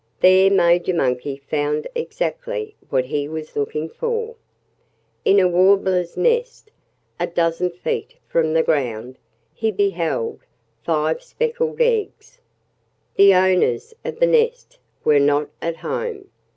There Major Monkey found exactly what he was looking for. In a warbler's nest, a dozen feet from the ground, he beheld five speckled eggs. The owners of the nest were not at home.